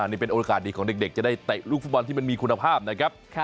นี่เป็นโอกาสดีของเด็กจะได้เตะลูกฟุตบอลที่มันมีคุณภาพนะครับ